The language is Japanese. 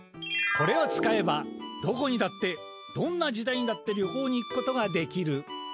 これを使えばどこにだってどんな時代にだって旅行に行くことができる！